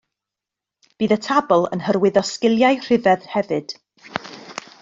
Bydd y tabl yn hyrwyddo sgiliau rhifedd hefyd